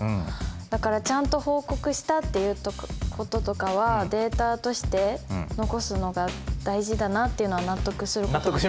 だからちゃんと報告したっていうこととかはデータとして残すのが大事だなっていうのは納得することが。